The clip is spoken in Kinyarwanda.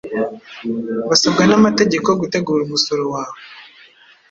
basabwa namategeko gutegura umusoro wawe